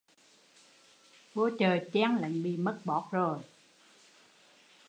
Vô chợ chen lấn bị mất boót